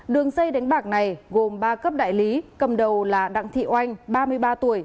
đường dây đánh bạc này gồm ba cấp đại lý cầm đầu là đặng thị oanh ba mươi ba tuổi